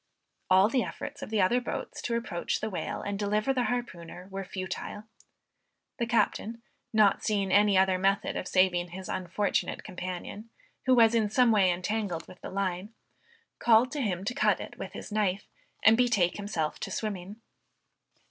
All the efforts of the other boats to approach the whale, and deliver the harpooner, were futile. The captain, not seeing any other method of saving his unfortunate companion, who was in some way entangled with the line, called to him to cut it with his knife, and betake himself to swimming.